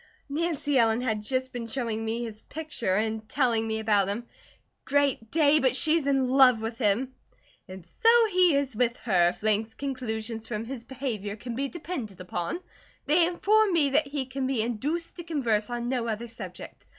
"Nancy Ellen had just been showing me his picture and telling me about him. Great Day, but she's in love with him!" "And so he is with her, if Lang's conclusions from his behaviour can be depended upon. They inform me that he can be induced to converse on no other subject.